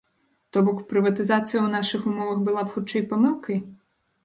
То бок, прыватызацыя ў нашых умовах была б хутчэй памылкай?